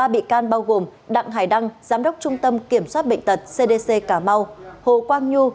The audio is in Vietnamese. ba bị can bao gồm đặng hải đăng giám đốc trung tâm kiểm soát bệnh tật cdc cảm mau hồ quang nhu